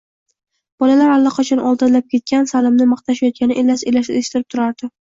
Bolalar allaqachon oldinlab ketgan, Salimni maqtashayotgani elas-elas eshitilib turardi.